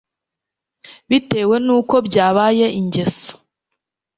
Bitewe n’uko byabaye ingeso,